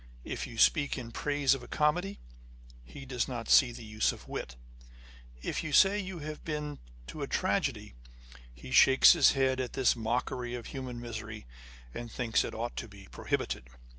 If you speak in praise of a comedy, he does not see the use of wit : if you say you have been to a tragedy, he shakes his head at this mockery of human misery, and thinks it ought to be prohibited.